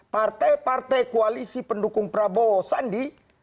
partai partai koalisi pendukung prabowo sandi